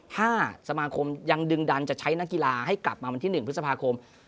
ถ้าสมาคมยังดึงดันจะใช้นักกีฬาให้กลับมาวันที่๑พฤษภาคม